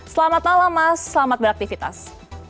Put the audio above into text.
selamat malam mas selamat beraktivitas